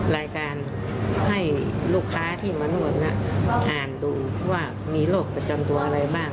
รายการให้ลูกค้าที่มานวดทานดูว่ามีโรคประจำตัวอะไรบ้าง